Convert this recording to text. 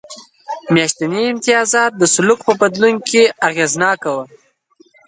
میاشتني امتیازات د سلوک په بدلون کې اغېزناک و.